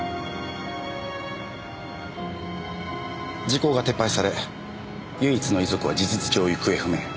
時効が撤廃され唯一の遺族は事実上行方不明。